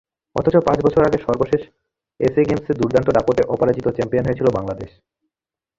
অথচ পাঁচ বছর আগে সর্বশেষ এসএ গেমসে দুর্দান্ত দাপটে অপরাজিত চ্যাম্পিয়ন হয়েছিল বাংলাদেশ।